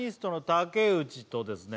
竹内とですね